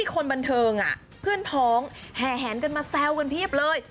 ก็มีคนบันเทิงอะเพื่อนพร้อมแหอมาแซวกันพี่อัพเลย